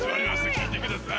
聴いてください